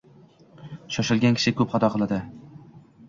Shoshilgan kishi ko’p xato qiladi.